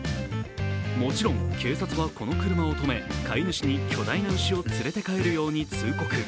もちろん警察はこの車を止め飼い主に巨大な牛を連れて帰るように通告。